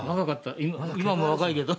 今も若いけど。